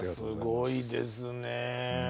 すごいですね。